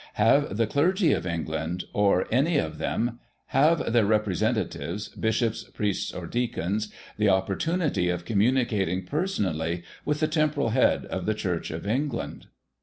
Have the clergy of England, or any of them — have their represen tatives — bishops, priests, or deacons, the opportunity of com municating personally with the temporal head of the Church of England?